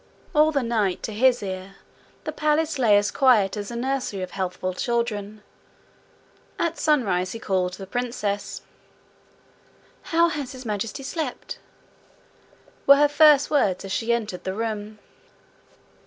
All the night, to his ear, the palace lay as quiet as a nursery of healthful children. At sunrise he called the princess. 'How has His Majesty slept?' were her first words as she entered the room.